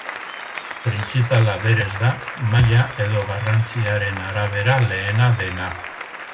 Printzipala berez da, maila edo garrantziaren arabera lehena dena.